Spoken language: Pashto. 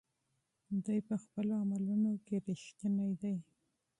دی په خپلو عملونو کې صادق دی.